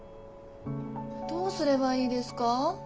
どうすれはいいですか？